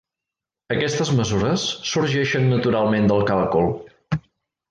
Aquestes mesures sorgeixen naturalment del càlcul.